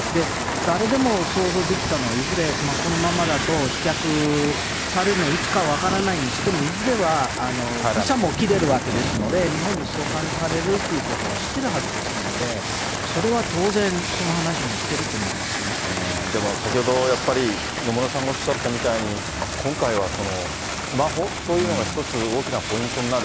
誰でも想像できたのは、いずれこのままだと棄却されるのがいつか分からないにしても、いずれはビザも切れるわけですので、日本に送還されるということは知ってるはずですので、それは当然、でも先ほど、やっぱり野村さんがおっしゃったみたいに、今回はスマホというのが１つ、大きなポイントになる。